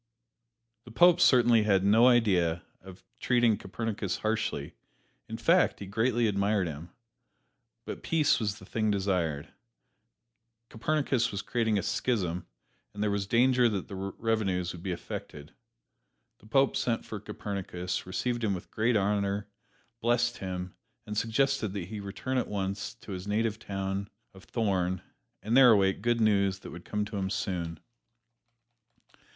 The Pope certainly had no idea of treating Copernicus harshly; in fact, he greatly admired him but peace was the thing desired. Copernicus was creating a schism, and there was danger that the revenues would be affected. The Pope sent for Copernicus, received him with great honor, blessed him, and suggested that he return at once to his native town of Thorn and there await good news that would come to him soon.